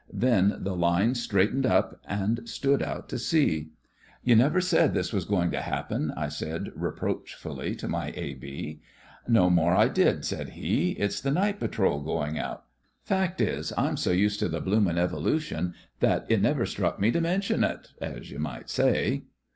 Then the line straightened up and stood out to sea. "You never said this was going to happen," I said reproachfully to my A. B. THE FRINGES OF THE FLEET 35 "No more I did," said he. "It's the night patrol going out. Fact is, I'm so used to the bloomin' evolution that it never struck me to mention it as you might say."